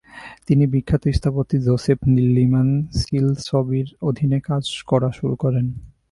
তিনি বিখ্যাত স্থপতি জোসেফ ল্যীমান সীল্সবির অধীনে কাজ করা শুরু করেন।